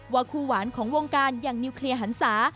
คู่หวานของวงการอย่างนิวเคลียร์หันศา